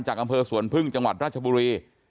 อำเภอสวนพึ่งจังหวัดราชบุรี